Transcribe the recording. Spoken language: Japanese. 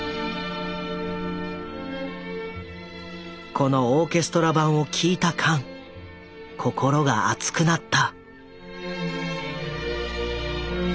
このオーケストラ版を聴いたカン心が熱くなった。